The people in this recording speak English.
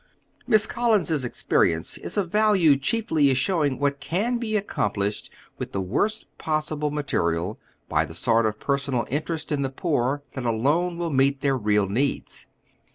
Miss Ooliins's experience is o£ value chiefly as showing what can be accomplished with the worst possible mate rial, by the sort of personal interest in the poor that alone will meet their real needs.